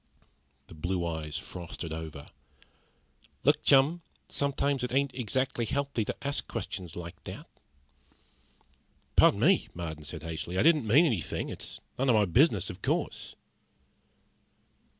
The blue eyes frosted over. "Look, chum, sometimes it ain't exactly healthy to ask questions like that." "Pardon me," Marden said hastily. "I didn't mean anything. It's none of my business, of course."